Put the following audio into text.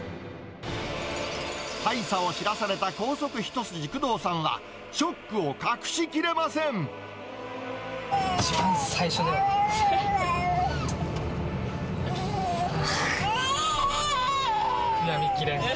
大差を知らされた高速一筋、工藤さんは、ショックを隠し切れ一番最初だよね。